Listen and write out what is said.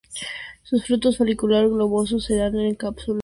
Sus frutos folicular globoso, se dan en cápsula y semillas rojas.